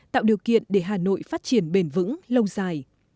tạo điều kiện để hà nội phát triển bền vững lâu dài